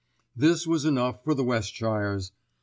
This was enough for the Westshires.